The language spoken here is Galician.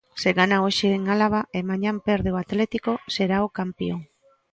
Se gana hoxe en Álava e mañá perde o Atlético, será o campión.